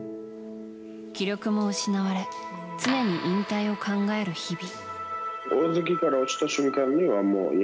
記録も失われ常に引退を考える日々。